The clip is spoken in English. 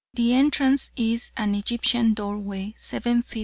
The entrance is by an Egyptian doorway 7 ft.